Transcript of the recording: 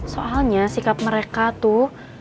soalnya sikap mereka tuh